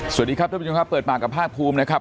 สวัสดีครับท่านผู้ชมครับเปิดปากกับภาคภูมินะครับ